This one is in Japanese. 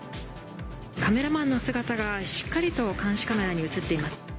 カメラマンの姿がしっかりと監視カメラに写っています。